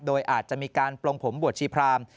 โดยอาจจะมีการปลงผมบวชชีพราม